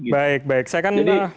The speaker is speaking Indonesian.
baik baik saya kan